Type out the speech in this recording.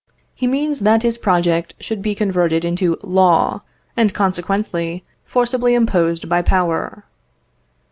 He means that his project should be converted into law, and, consequently, forcibly imposed by power.